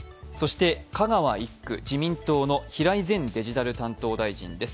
香川１区、自民党の平井前デジタル担当大臣です。